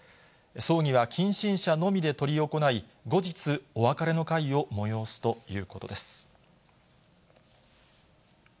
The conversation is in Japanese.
葬儀は近親者のみで執り行い、後日、お別れの会を催すということです。